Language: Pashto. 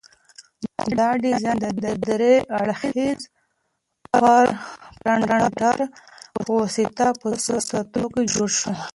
دا ډیزاین د درې اړخیزه پرنټر په واسطه په څو ساعتونو کې جوړ شو.